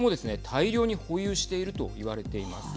大量に保有しているといわれています。